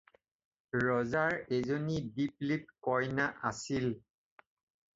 ৰজাৰ এজনী দীপ-লিপ্ কন্যা আছিল।